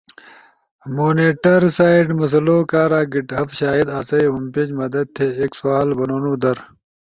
مونیٹر سائیڈ مسلؤ کارا گیٹ ہب شاید آسئی ہوم پیج مدد تھی؟ ایک سوال بنونو در،